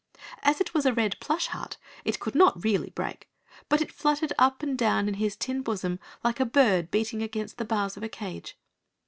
As it was a red plush heart, it could not really break, but it fluttered up and down in his tin bosom like a bird beating against the bars of a cage.